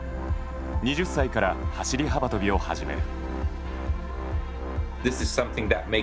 ２０歳から走り幅跳びを始める。